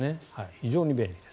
非常に便利です。